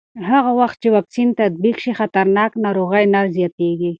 هغه وخت چې واکسین تطبیق شي، خطرناک ناروغۍ نه زیاتېږي.